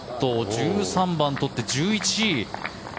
１３番、取って１１位。